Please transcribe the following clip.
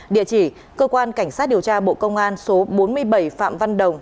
địa chỉ cơ quan cảnh sát điều tra bộ công an số bốn mươi bảy phạm văn đồng